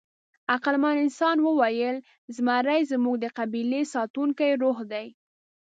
عقلمن انسان وویل: «زمری زموږ د قبیلې ساتونکی روح دی».